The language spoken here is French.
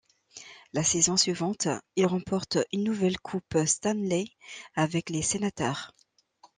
La saison suivante, il remporte une nouvelle coupe Stanley avec les Sénateurs.